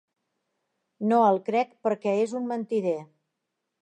No el crec perquè és un mentider.